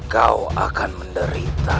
kau akan menderita